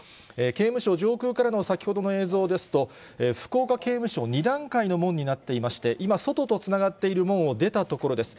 刑務所上空からの先ほどの映像ですと、福岡刑務所、２段階の門になっていまして、今、外とつながっている門を出たところです。